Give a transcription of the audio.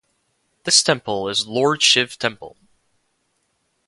This Temple is lord Shiv Temple.